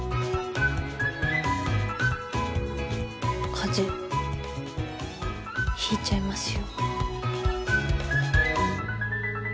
風邪引いちゃいますよ。